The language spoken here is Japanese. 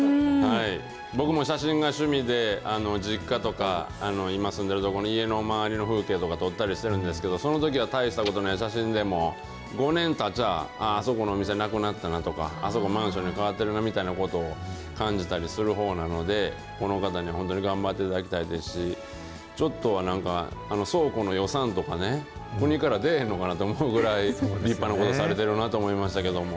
僕も写真が趣味で、実家とか、今住んでいる所の家の周りの風景とか撮ったりしてるんですけど、そのときは大したことない写真でも、５年たちゃあ、あそこの店なくなったなとか、あそこマンションに変わってるなみたいなことを感じたりするほうなんで、この方に本当に頑張っていただきたいですし、ちょっとは、倉庫の予算とかね、国から出えへんのかなって思うぐらい、立派なことされてるなと思いましたけれども。